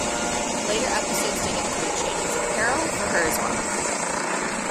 Later episodes did include changes in apparel for her as well.